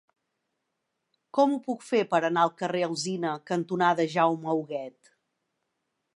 Com ho puc fer per anar al carrer Alzina cantonada Jaume Huguet?